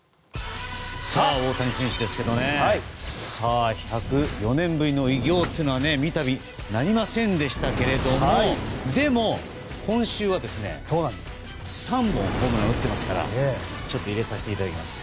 さあ、大谷選手ですけど１０４年ぶりの偉業というのは三度、なりませんでしたけれどもでも、今週は３本ホームランを打ってますから入れさせていただきます。